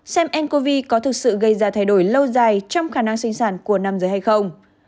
xem ncov có thực sự gây ra thay đổi lâu dài trong khả năng sinh sản của nam giới hay không